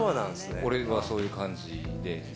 俺がそういう感じで。